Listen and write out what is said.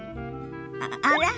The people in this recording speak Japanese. あら？